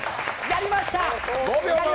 やりました！